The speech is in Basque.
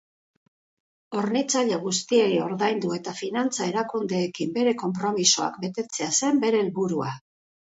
Hornitzaile guztiei ordaindu eta finantza erakundeekin bere konpromisoak betetzea zen bere helburua.